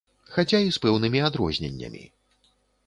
Хаця і з пэўнымі адрозненнямі.